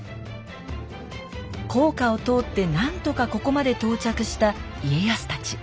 甲賀を通って何とかここまで到着した家康たち。